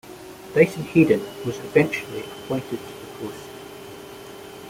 Dyson Heydon was eventually appointed to the post.